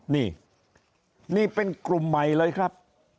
นี่นี่เป็นกลุ่มใหม่เลยครับ